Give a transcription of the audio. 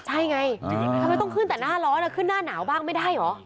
ใช่ไงทำไมต้องขึ้นแต่หน้าร้อนขึ้นหน้าหนาวบ้างไม่ได้เหรอ